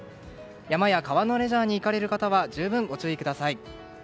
山や川のレジャーに行かれる方は十分ご注意ください。